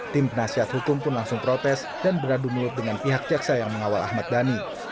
tim penasihat hukum pun langsung protes dan beradu mulut dengan pihak jaksa yang mengawal ahmad dhani